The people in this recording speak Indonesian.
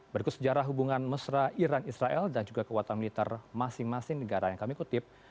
berikut sejarah hubungan mesra iran israel dan juga kekuatan militer masing masing negara yang kami kutip